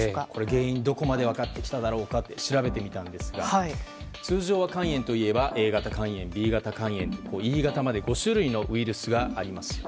原因がどこまで分かってきたのか調べてみたんですが通常は、肝炎といえばＡ型肝炎、Ｂ型肝炎とＥ型まで５種類のウイルスがあります。